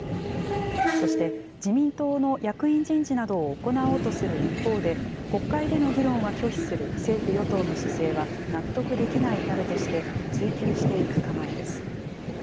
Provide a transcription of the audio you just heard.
そして、自民党の役員人事などを行おうとする一方で、国会での議論は拒否する政府・与党の姿勢は納得できないなどとして、追及していく構えです。